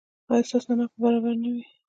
ایا ستاسو نمک به برابر نه وي؟